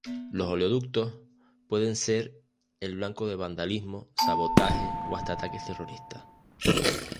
Los oleoductos pueden ser el blanco de vandalismo, sabotaje o hasta de ataques terroristas.